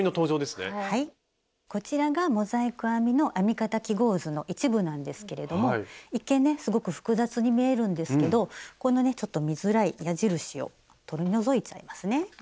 こちらがモザイク編みの編み方記号図の一部なんですけれども一見ねすごく複雑に見えるんですけどこのねちょっと見づらい矢印を取り除いちゃいますね。